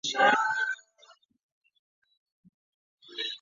现在这座建筑物已改为香港茶具文物馆。